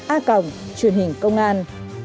a cộng truyền hình công an